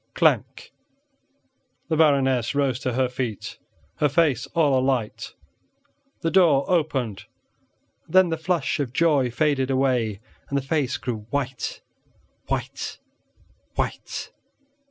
Clank! The Baroness rose to her feet, her face all alight. The door opened; then the flush of joy faded away and the face grew white, white, white.